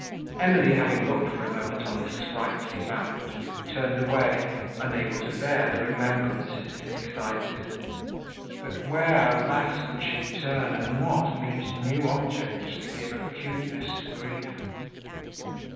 Emily, having looked for a moment on this sprightly band, turned away, unable to bear the remembrances it excited; but where, alas! could she turn, and not meet new objects to give acuteness to grief?